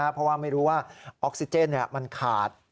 เพราะว่าไม่รู้ว่าออกซิเจนมันขาด